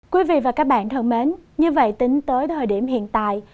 quý vị và các bạn thân mến như vậy tính tới thời điểm hiện tại